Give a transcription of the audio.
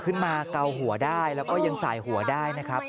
มาเกาหัวได้แล้วก็ยังสายหัวได้นะครับ